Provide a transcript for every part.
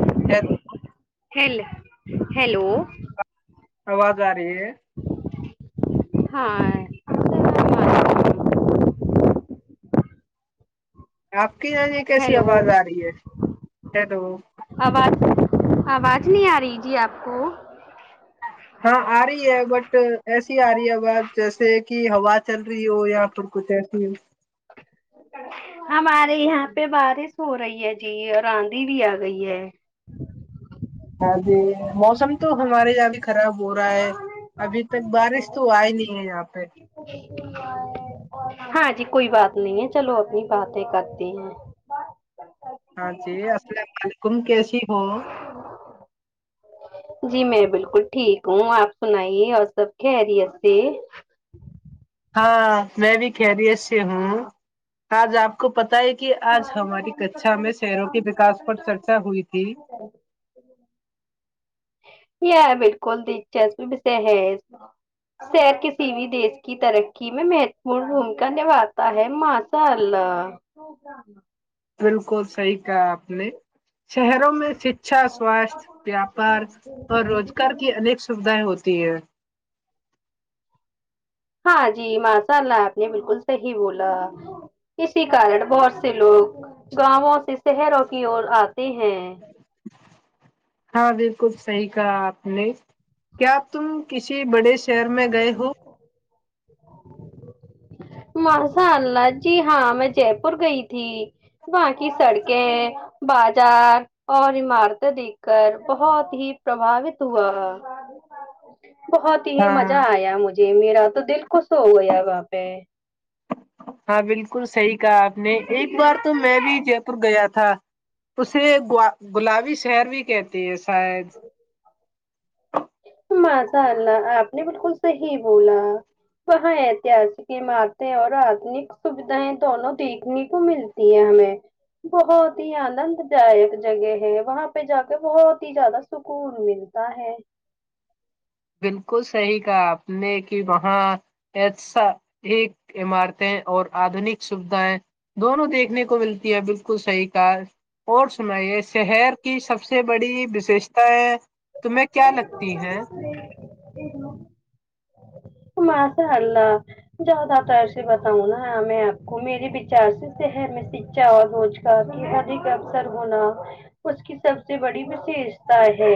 [unintelligible] [unintelligible] hello آواز آ رہی ہے ہاں آپ یہ کیسی ہیلو آواز آ رہی ہے ہیلو آواز آواز نہیں آ رہی جی آپ کو ہاں آ رہی ہے بٹ ایسی آ رہی ہے بات جیسے کہ ہوا چل رہی ہو یا پھر کچھ ایسی ہو ہمارے یہاں پہ بارش ہو رہی ہے جی اور آندھی بھی آ گئی ہے ہاں ج موسم تو ہمارے یہاں بھی خراب ہو رہا ہے ابھی تک بارش تو آئی نہیں ہے یہاں پہ ہاں جی کوئی بات نہیں ہے چلو اپنی باتیں کرتی ہیں ہاں جی السلام علیکم کیسی ہو جی میں بالکل ٹھیک ہوں آپ سنائیے اور سب خریت سے ہاں میں بھی خیریت سے ہوں سے ہوں آج آپ کو پتہ ہے کہ آج ہماری کچا میں شہروں کے وکاس پر چرچا ہوئی تھی یہ بالکل دلچسپے ہے شہر کسی بھی دیش کی ترقی میں مہتوپورن بھومکا نبھاتا ہے ماشاء اللہ بالکل صحی آپ نے شہروں میں شکھا سواستھ ویاپار اور روزگار کی انیک سویدھائیں ہوتی تی ہے ہاں جی ماشاء اللہ آپ نے بالکل صحیح بولا اسی کارن بہت سے لوگ گاؤوں سے شہروں کی اور آتے ہیں ہاں بالکل صحیح کہا آپ نے کیا تم کسی کسی بڑے شہر میں گئے ہو مشا اللہ جی ہاں میں جے پور گئی تھی باقی سڑکیں بازار اور عمارتیں دیکھ کر بہت ہی پرباوت ہوا بت ہی ہاں مزہ آیا مجھے میرا تو دل خوش ہو گیا وہاں پہ ہاں بالکل صحی ا آپ نے ایک بار تو میں بھی جے پور گیا تھا تھا اسے گلابی شہر بھی کہتے ہے شاید ماشاء اللہ آپ نے بالکل صحی بولا وہاں ایتہاسک عمارتیں اور آدنک سوھائیں دونوں دیکھنے کو ملتی ہیں ہمیں بہت ہی آنند دائک جگہ ہے وہاں پہ جا کے بہت ہی زیادہ سکون ملتا ہے بالکل صحیح کا آپ نے کہ وہاں ایساک عمارتیں اور آدنک سوھایں دونوں دیکھنے کو ملتی ہے بالکل صحیح کا اور سنائیے شہر کی سب سے بڑی وششتا ہے [unintelligible] مشاء اللہ زیادہ تر سے بتاؤں نا میں آپ کو میرے وچار سے شر میں سچا اور روچ کا کی ادک اسر ہونا اس کی سب سے بڑی وششتا ہے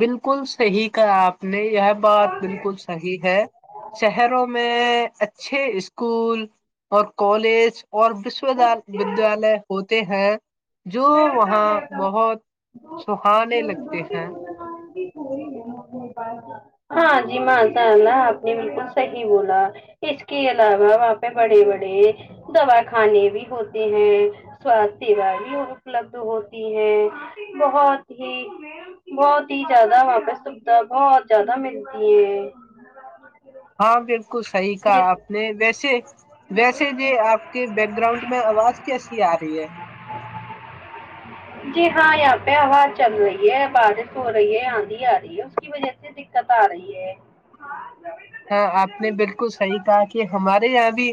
بالکل صحیح کا آپ نہیں یہ بات بالکل صحیح ہے شہروں میں اچا چھ اسکول اور کالج اور وشو ودیال ہو تے ہیں جو وہاں بہت سہانے لگتے ہیں ہاں جی ماشاء اللہ آپ نے بالکل صحیح بولا اس کے علاوہ وہاں پہ بڑے بڑے دواخانے بھی ہوتے ہیں سواستھ سوا بھی اپلبد ہوتی ہیں بہت ہی بہت ہی زیادہ وہاں پہ سوھا بہت زیادہ ملتی ہے ہاں بالکل صحیح کہا جی آپ نے ویسے ویسے ج آپ کے بیک گراؤنڈ میں آواز کیسی آ رہی ہے جی ہاں یہاں پہ ہا چل رہی ہے بارش ہو رہی ہے آندھی آ رہی ہے اس کی وجہ سے دقت آ رہی ہے ہاں آپ نے بالکل صحیح کہا کہ ہمارے یہاں بھی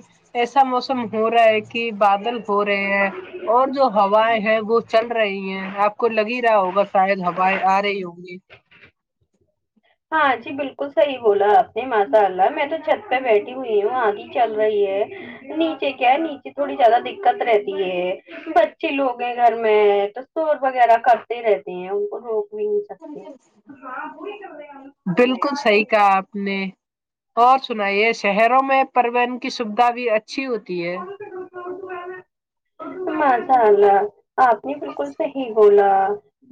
ایسا موسم ہو رہا ہے کہ بادل ہو رہے ہیں اور جو ہوائیں ہیں وہ چل رہی ہیں آپ کو لگ ہی رہا ہوگا شاید ہوائیں آ رہی ہوں گی ہاں جی بالکل صحیح بولا آپ نے ماشاء اللہ میں تو چھت پہ بیٹھی ہوئی ہوں آگے چل رہی ہے نیچے کیا ہے نیچے تھوڑی زیادہ دقت رہتی ہے بچے لوگ ہیں گھر میں تو سور وغیرہ کرتے رہتے ہیں ان کو روک بھی نہیں سکتے [inaudible] بالکل صحیح کہا آپ نے اور سناائیے شہروں میں پوہن کی سویدھا بھی [inaudible] [inaudible] اچ آپ نے بالکل صحیح بولا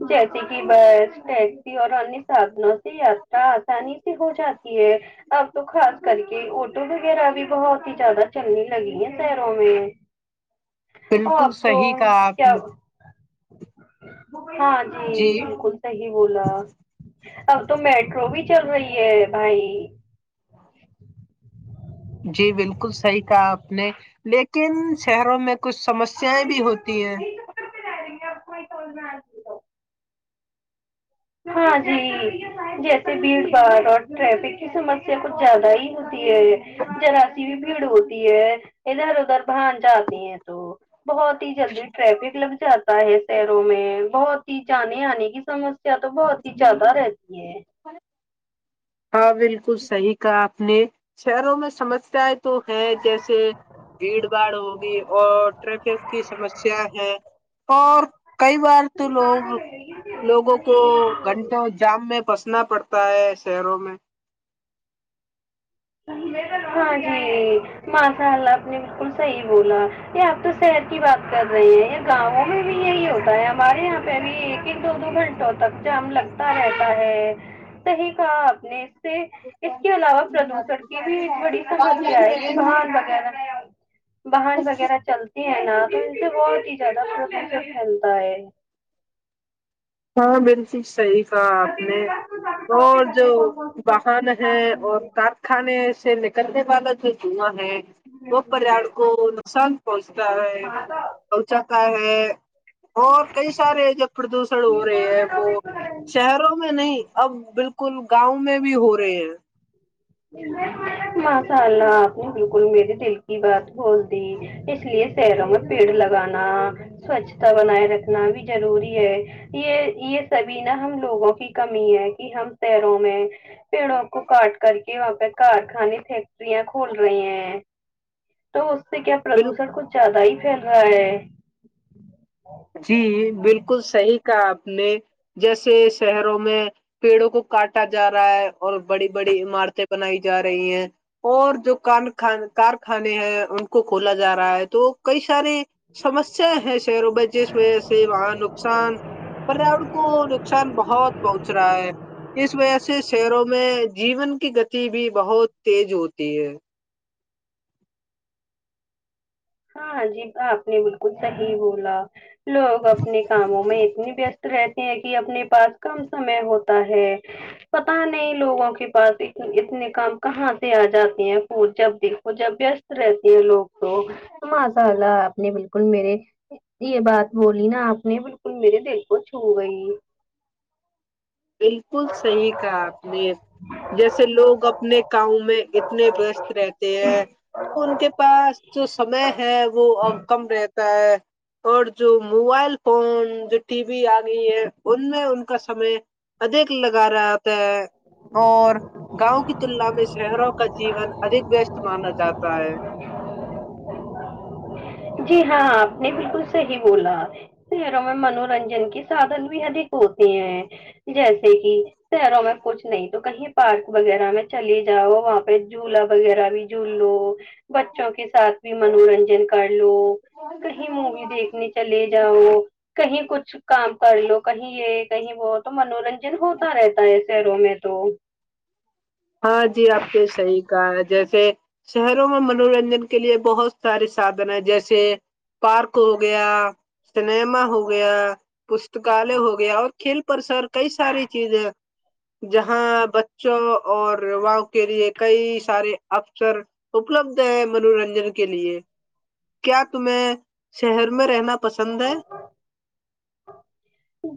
جیسے کہ بس ٹیکسی اور انیہ سادھنوں سے یاتا آسانی سے ہو جاتی ہے اب تو خاص کر کے ٹو وغیرہ بھی بہت ہی زیادہ چلنی لگی ہے [inaudible] بالکل صحیح کہ آپ نے ہاں جی بالکل صحی بولا اب تو میٹرو بھی چل رہی ہے بھائی جی بالکل صحیح کہا آپ نے لیکن شہروں میں کچھ سمسیاائیں بھی ہوتی ہیں ج رہیں گے آپ توول میں آ ہاں جی جیسے بھیڑ بھاڑ اور ٹریفک کی سمسیا کچھ زیادہ ہی ہوتی [inaudible] بھیڑ ہوتی ہے ادھر ادھر بان جاتے ہیں تو [unintelligible] بہت ہی جلدی ٹریفک لگ جاتا ہے شہروں میں بہت [unintelligible] چی جاننے آنے کی سج [unintelligible] یا تو بہت ہی زیادہ رہتی ہے [unintelligible] ہاں بالکل صحیح کہا آپ نے [unintelligible] شہروں میں سمسیایں تو ہیں جیسے بھیڑ بھاڑ ہوگی اور ٹریفک کی سمسیا ہے اور کئی بار تو لوگ لوگوں کو گھنٹوں جام میں پس [unintelligible] نا پڑتا ہے [unintelligible] شیروں میں [unintelligible] ہاں جی ماشاء اللہ آپ نے بالکل صحیح بولا یہ آپ تو شہر کی بات کر رہے ہیں گاؤوں میں بھی یہی ہوتا ہے ہمارے یہاں پہ اب ایک ہی دو دو گھنٹوں تک جام لگتا رہتا ہے صحیح کہا آپ نے [unintelligible] سے اس کے علاوہ پردوشن [unintelligible] کی بھی ایک بڑی سمسیا ہے یہ بن وغیرہ باہن وغیرہ چلتے ہیں نا تو ان سے بہت ہی زیادہ سوق سے پھیلتا ہے [unintelligible] ہاں بالکل صحی [unintelligible] آنے اور جو واہن ہے اور کارخانے سے ل [unintelligible] کنے بالت تھے [unintelligible] وہ پریا کو نقصان [unintelligible] ب [unintelligible] ہے گ کا ہے [unintelligible] ج [unintelligible] اور کئی سارے جب پردوش [unintelligible] ہو رہے ہیں وہ شہروں میں نہیں اب بالکل [unintelligible] بالکل گاؤں میں بھی ہو رہے ہیں [unintelligible] ماشاء اللہ آپ نے بالکل میرے دل کی بات بھول دی اس لیے سیروں میں پیڑ لگانا سوچھتا بنائے رکھنا بھی ضروری ہے یہ یہ سبھی نا ہم لوگوں کی کمی ہے کہ ہم سیروں میں [unintelligible] پڑوں کو کاٹ [unintelligible] کہ وہاں پہ کارخانے فیکٹریاں کھول رہی ہیں تو اس [unintelligible] سے کیا پردوشن کچھ زیادہ ہی [unintelligible] رہ [unintelligible] جی بالکل صحیح کہ [unintelligible] نے جیسے شہروں میں پیڑوں کو کاٹا جا رہا ہے اور بڑی بڑی عمارتیں بنائی جا رہی ہیں اور جو کان کارخانے ہیں ان کو کھولا جا رہا ہے تو کئی سارے سمسیا ہیں شہروں میں [unintelligible] جس وجہ سے وہاں نقصان پریاورن کو نقصان بہت پہنچ رہا ہے اس وجہ سے شہروں میں جیون کی گتی بھی بہت تیز ہوتی ہے [unintelligible] ہاں جی آپ نے بالکل صحیح بولا [unintelligible] لوگ اپنے کاموں میں اتنی بیست [unintelligible] رہتے ہیں کہ اپنے پاس کم سمے ہوتا ہے پتا نہیں لوگوں کے پاس اتنے کام کہاں سے آ جاتے ہیں پ جب دیکھو جب وست رہتے ہیں لوگ تو [unintelligible] ماشاء اللہ آپ نے بالکل میرے یہ بات بولی نا آپ نے بالکل میرے دل کو چھو گئی [unintelligible] بالکل صحیح کہا آپ نے جیسے لوگ اپنے کااؤ میں اتنے وست رہتے ہیں تو ان کے پاس جو سمئے ہے وہ کم رہتا ہے اور جو موبائل فون جو ٹی وی آ گئی ہے ان میں ان کا سمے ادیک لگا رہا آپ اور گاؤں کی تلنا میں شہروں کا جیون ادک وست مانا جاتا ہے جی ہاں آپ نے بالکل صحی بولا شہروں میں منورنجن کے سادن بھی اھک ہوتے ہیں جیسے کہ شہروں میں کچھ نہیں تو کہیں پارک وغیرہ میں چلے جاؤ وہاں پہ جھولا وغیرہ بھی جھول لو بچوں کے ساتھ بھی منورنجن کر کہیں مووی دیکھنے چلے جاؤ کہیں کچھ کام کر لو کہیں یہ کہیں وہ تو منورنجن ہوتا رہتا ہے شہروں میں تو ہاں جی آپ نے صحیح کہا ہے جیسے شہروں میں منورنجن کے لیے بہت سارے سھن ہیں جیسے پارک ہو گیا سنیما ہو گیا پستکالے ہو گیا اور کھیل پر سر کئی ساری چیزیں جہاں بچوں اور واؤں کے لیے کئی سارے افسر اپلبدھ ہیں منورنجن کے لیے کیا تمہیں شہر میں رہنا پسند ہے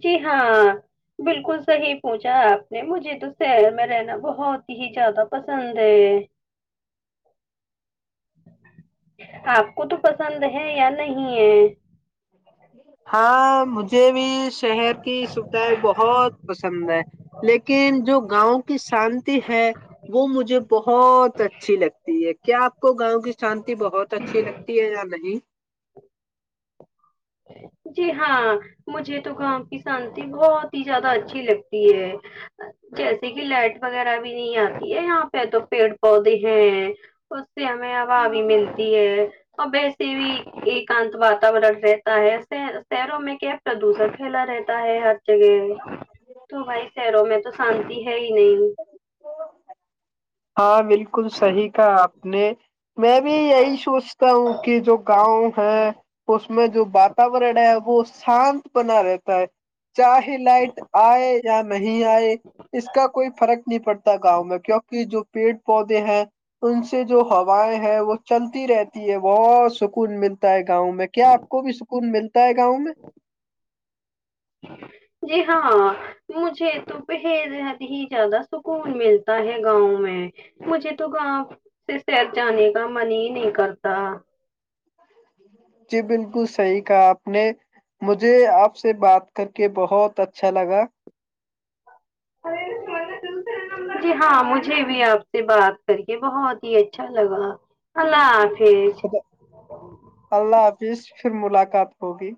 جی ہاں بالکل صحیح پوچھا آپ نے مجھے تو شہر میں رہنا بہت ہی زیادہ پسند ہے آپ کو تو پسند ہے یا نہیں ہے ہاں مجھے بھی شہر کی سویدھایں بہت پسند ہے لیکن جو گاؤں کی شانتی ہے وہ مجھے بہت اچھی لگتی ہے کیا آپ کو گاؤں کی شانتی بہت اچھی لگتی ہے یا نہیں جی ہاں مجھے تو گاؤں کی شانتی بہت ہی زیادہ اچھی لگتی ہے جیسے کہ لائٹ وغیرہ بھی نہیں آتی ہے یہاں پہ تو پیڑ پودے ہیں اس سے ہمیں ہا بھی ملتی ہے اور ویسے بھی ایکانت واتورن رہتا ہے شہروں میں کیا پردوشن پھیلا رہتا ہے ہر جگہ تو بھائی شہروں میں تو شانتی ہے ہے ہی نہیں ہاں بالکل صحیح کہا آپ نے میں بھی یہی سوچتا ہوں کہ جو گاؤں ہے اس میں جو واتورن ہے وہ شانت بنا رہتا ہے چاہے لائٹ آئے یا نہیں آئے اس کا کوئی فرق نہیں پڑتا گاؤں میں کی جو پیڑ پودے ہیں ان سے جو ہوائیں ہیں وہ چلتی رہتی ہے بہت سکون ملتا ہے گاؤں میں کیا آپ کو بھی سکون ملتا ہے گاؤں میں جی ہاں مجھے تو بہد ہی زیادہ سکون ملتا ہے گاؤں میں مجھے تو گاؤں سے سیر جانے کا من ہی نہیں کرتا جی بالکل صحیح کہا آپ نے مجھے آپ سے بات کر کے بہت اچھا لگا جی ہاں مجھے بھی آپ سے بات کر کے بہت ہی اچھا لگا اللہ حافظ ا اللہ ج پھر ملاقات ہوگی